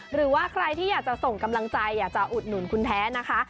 หรือว่าใครที่อยากจะส่งกำลังใจอยากจะอุดหนุนคุณแท้นะคะ